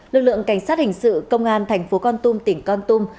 lực lượng cảnh sát hình sự công an thành phố con tum tỉnh con tum